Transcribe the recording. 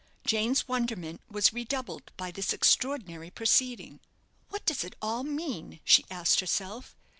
Jane's wonderment was redoubled by this extraordinary proceeding. "What does it all mean?" she asked herself.